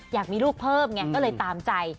อยากมีลูกเพิ่มไงก็เลยตามใจ